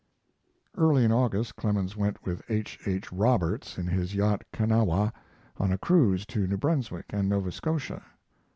Early in August Clemens went with H. H. Rogers in his yacht Kanawha on a cruise to New Brunswick and Nova Scotia.